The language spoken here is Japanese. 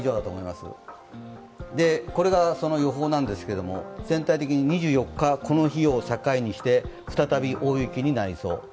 これがその予報なんですが、全体的に２４日を境にして再び大雪になりそう。